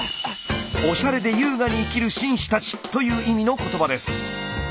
おしゃれで優雅に生きる紳士たちという意味の言葉です。